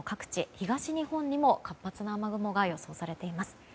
東日本にも活発な雨雲が予想されています。